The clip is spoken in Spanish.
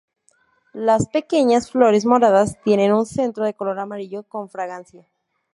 Las pequeñas flores moradas tienen un centro de color amarillo con fragancia.